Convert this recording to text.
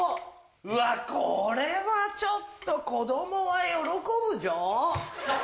うわこれはちょっと子供は喜ぶじょ。